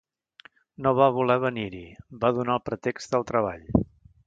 No va voler venir-hi; va donar el pretext del treball.